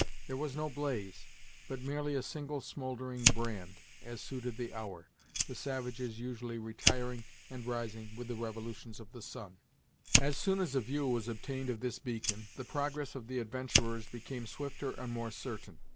There was no blaze, but merely a single smouldering brand, as suited the hour; the savages usually retiring and rising with the revolutions of the sun. As soon as a view was obtained of this beacon, the progress of the adventurers became swifter and more certain.